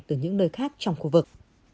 từ những nơi khác trong khu vực